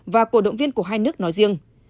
và cổ động viên của hai nước nói riêng